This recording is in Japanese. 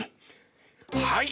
はい！